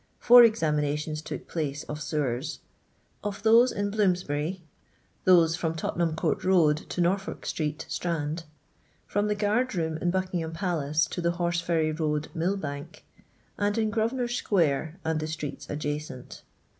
Four examinations took place of sewers; of those in Bloomsbury ; those from Tottenham court road to Norfolk street, Strand; from the Quard room in Buckingham Palace to the Horseferry road, Mill bank; and in Qrosvenor square and the streets adjacent.